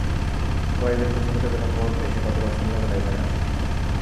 কুরাইশদের পিছু হঁটে যাবার খবর পেয়ে সে গতকাল সন্ধাবেলায় এখানে আসে।